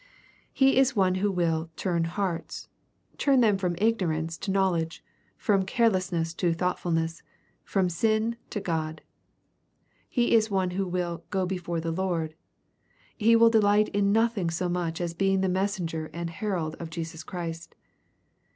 He is one who 16 EXPOSITOBf THOUGHTS. will *'turn hearts/' — turn them from ignorance to know ledge^ from carelesBness to thoughtfulness, from sin to God. — He is one who will " go before the Lord," — he will delight in nothing so much as being the messenger and herald of Jesus Christ.